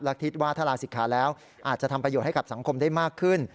และคิดว่าถ้าลาศิกขาแล้วอาจจะทำประโยชน์ให้กับสังคมได้มากขึ้น